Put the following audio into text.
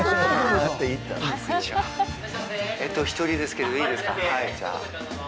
１人ですけどいいですか？